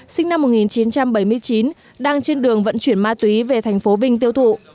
sinh năm một nghìn chín trăm bảy mươi chín đang trên đường vận chuyển ma túy về thành phố vinh tiêu thụ